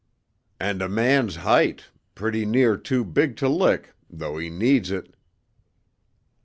"And a man's height pretty near too big to lick, though he needs it."